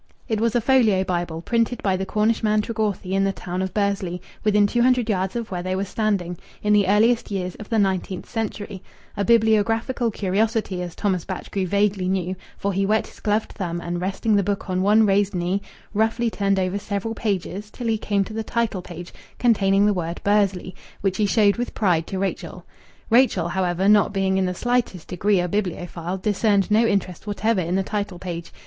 It was a folio Bible, printed by the Cornishman Tregorthy in the town of Bursley, within two hundred yards of where they were standing, in the earliest years of the nineteenth century a bibliographical curiosity, as Thomas Batchgrew vaguely knew, for he wet his gloved thumb and, resting the book on one raised knee, roughly turned over several pages till he came to the title page containing the word "Bursley," which he showed with pride to Rachel. Rachel, however, not being in the slightest degree a bibliophile, discerned no interest whatever in the title page.